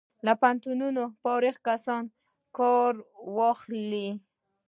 له پوهنتونونو فارغ کسان کار واخلي.